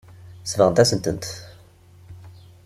Sebɣent-asent-tent.